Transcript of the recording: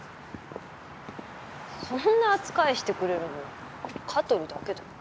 そんな扱いしてくれるの香取だけだよ。